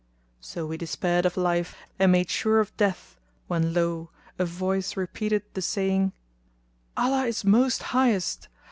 So we despaired of life and made sure of death when lo! a voice repeated the saying, "Allah is most Highest!